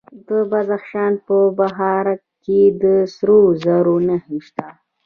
د بدخشان په بهارک کې د سرو زرو نښې شته.